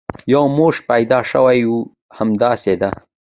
یو موش پیدا شوی وي، همداسې ده.